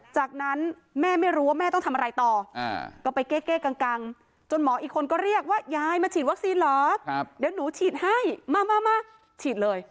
จากนั้นแม่ไม่รู้ว่าแม่ต้องทำอะไรต่อก็ไปเก้กังจนหมออีกคนก็เรียกว่ายายมาฉีดวัคซีนเหรอเดี๋ยวหนูฉีดให้มามาฉีดเลย